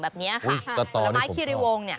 แบบนี้ค่ะผลไม้คิริวงเนี่ย